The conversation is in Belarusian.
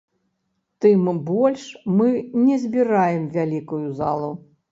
Тым больш мы не збіраем вялікую залу.